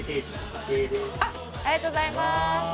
ありがとうございます。